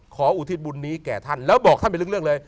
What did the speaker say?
อุทิศบุญนี้แก่ท่านแล้วบอกท่านไปลึกเรื่องเลย